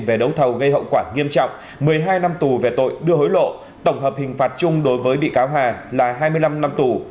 về đấu thầu gây hậu quả nghiêm trọng một mươi hai năm tù về tội đưa hối lộ tổng hợp hình phạt chung đối với bị cáo hà là hai mươi năm năm tù